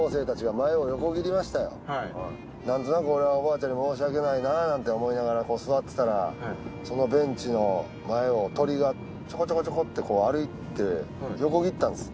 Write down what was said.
何となく俺はおばあちゃんに申し訳ないなぁなんて思いながら座ってたらそのベンチの前を鳥がチョコチョコチョコって歩いて横切ったんです。